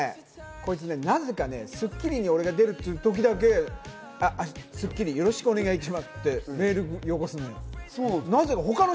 こいつなぜか『スッキリ』に俺が出るという時だけ、よろしくお願いしますってメールよこすの。